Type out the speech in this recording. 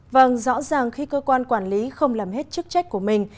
vâng rõ ràng khi cơ quan quản lý không làm hết chức trách của mình